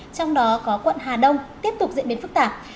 trong đó có quận hà đông tiếp tục diễn biến phức tạp